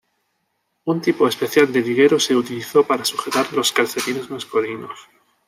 Un tipo especial de liguero se utilizó para sujetar los calcetines masculinos.